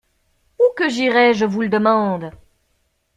Où que j'irai, je vous le demande?